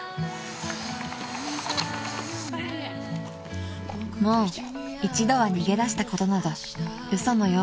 ［もう一度は逃げ出したことなど嘘のようです］